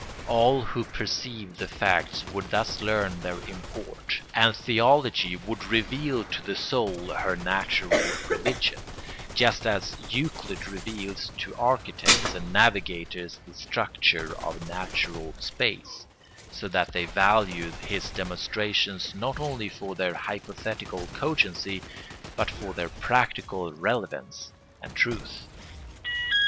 All who perceived the facts would thus learn their import; and theology would reveal to the soul her natural religion, just as Euclid reveals to architects and navigators the structure of natural space, so that they value his demonstrations not only for their hypothetical cogency but for their practical relevance and truth.